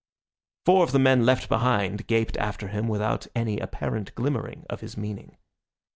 Four of the men left behind gaped after him without any apparent glimmering of his meaning.